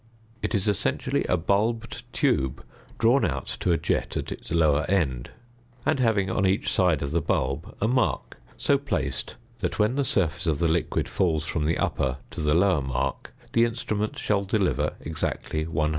It is essentially a bulbed tube drawn out to a jet at its lower end, and having on each side of the bulb a mark so placed that when the surface of the liquid falls from the upper to the lower mark the instrument shall deliver exactly 100 c.